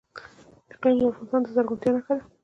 اقلیم د افغانستان د زرغونتیا نښه ده.